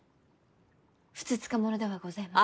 ふつつか者ではございますが。